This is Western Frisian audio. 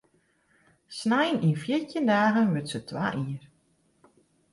Snein yn fjirtjin dagen wurdt se twa jier.